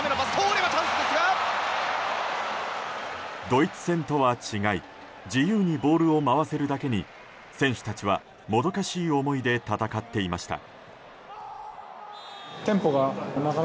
ドイツ戦とは違い自由にボールを回せるだけに選手たちはもどかしい思いで戦っていました。